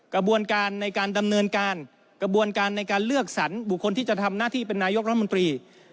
กระบวนการในการดำเนินการกระบวนการในการเลือกสรรบุคคลที่จะทำหน้าที่เป็นนายกรัฐมนตรี